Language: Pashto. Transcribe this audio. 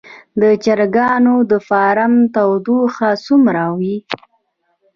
د چرګانو د فارم تودوخه څومره وي؟